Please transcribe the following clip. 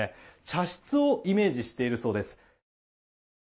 茶室をイメージしているそうです。